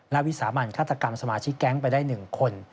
และวิสามันฆาตกรรมสมาชิกแก๊งไปได้๑คน